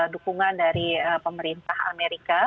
dukungan dari pemerintah amerika